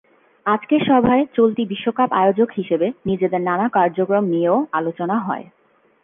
আজকের সভায় চলতি বিশ্বকাপ আয়োজক হিসেবে নিজেদের নানা কার্যক্রম নিয়েও আলোচনা হয়।